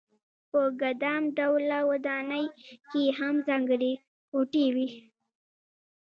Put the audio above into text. په ګدام ډوله ودانۍ کې هم ځانګړې کوټې وې.